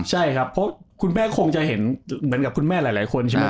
ใช่ครับเพราะคุณแม่คงจะเห็นเหมือนกับคุณแม่หลายคนใช่ไหม